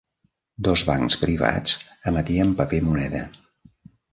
Dos bancs privats emetien paper moneda.